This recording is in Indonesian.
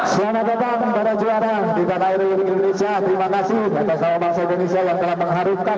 selamat datang para juara di tanah air indonesia terima kasih atas nama bangsa indonesia yang telah mengharumkan